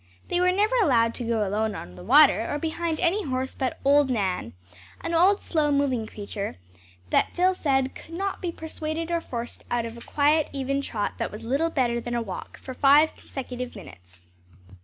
They were never allowed to go alone on the water or behind any horse but "Old Nan," an old slow moving creature that Phil said "could not be persuaded or forced out of a quiet even trot that was little better than a walk, for five consecutive minutes."